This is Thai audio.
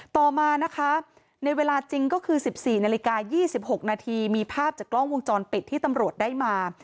ต่อมานะคะในเวลาจริงก็คือ๑๔นาฬิกา๒๖นาทีมีภาพจากกล้องวงจรปิดที่ตำรวจได้มา